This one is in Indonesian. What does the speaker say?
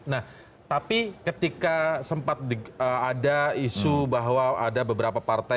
nah tapi ketika sempat ada isu bahwa ada beberapa partai